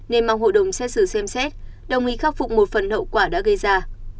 nên mong hội đồng xét xử xem xét đồng ý khắc phục một phần hậu quả đã gây ra